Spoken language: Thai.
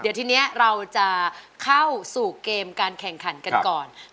เดี๋ยวทีนี้เราจะเข้าสู่เกมการแข่งขันกันก่อน